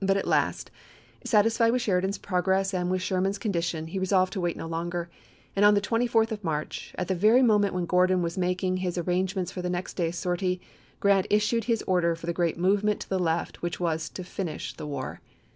But at last, satisfied with Sheridan's progress and with Sherman's condition, he resolved to wait 1865. no longer, and on the 24th of March, at the very moment when Gordon was making his arrange ments for the next day's sortie, Grant issued his order for the great movement to the left which was FIVE FORKS 165 to finish the war.